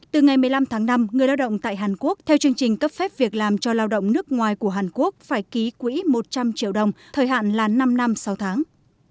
từ ngày một mươi năm tháng năm người lao động tại hàn quốc theo chương trình cấp phép việc làm cho lao động nước ngoài của hàn quốc phải ký quỹ một trăm linh triệu đồng thời hạn là năm năm sáu tháng